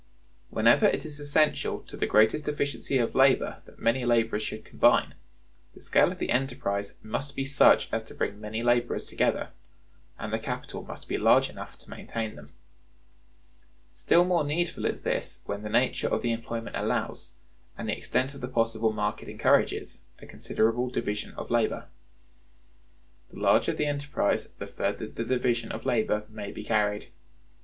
Whenever it is essential to the greatest efficiency of labor that many laborers should combine, the scale of the enterprise must be such as to bring many laborers together, and the capital must be large enough to maintain them. Still more needful is this when the nature of the employment allows, and the extent of the possible market encourages, a considerable division of labor. The larger the enterprise the further the division of labor may be carried.